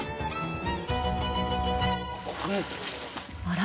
あら？